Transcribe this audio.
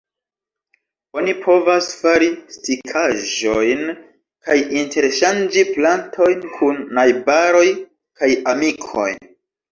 Oni povas fari stikaĵojn kaj interŝanĝi plantojn kun najbaroj kaj amikoj.